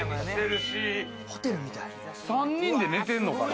３人で寝てんのかな？